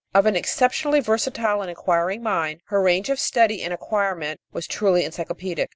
Of an exceptionally versatile and inquiring mind, her range of study and acquirement was truly encyclopædic.